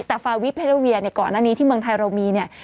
แต่ฟาวิเพราเวียเนี่ยก่อนอันนี้ที่เมืองไทยเรามีเนี่ย